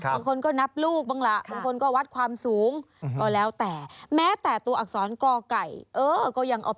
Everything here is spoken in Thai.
บางคนก็นับลูกบ้างละบางคนก็วัดความสูง